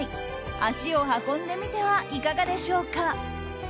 足を運んでみてはいかがでしょうか。